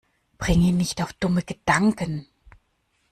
Bring ihn nicht auf dumme Gedanken!